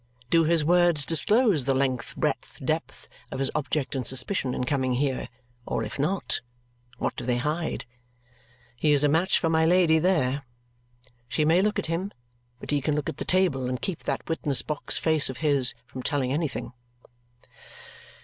Do his words disclose the length, breadth, depth, of his object and suspicion in coming here; or if not, what do they hide? He is a match for my Lady there. She may look at him, but he can look at the table and keep that witness box face of his from telling anything.